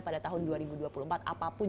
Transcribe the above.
pada tahun dua ribu dua puluh empat apapun